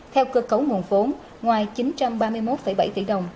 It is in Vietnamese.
theo cơ cấu nguồn vốn ngoài chín trăm ba mươi một bảy tỷ đồng